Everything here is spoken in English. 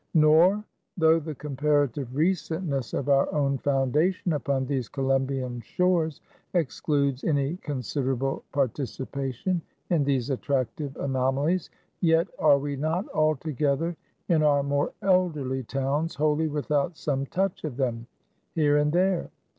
Nor though the comparative recentness of our own foundation upon these Columbian shores, excludes any considerable participation in these attractive anomalies, yet are we not altogether, in our more elderly towns, wholly without some touch of them, here and there.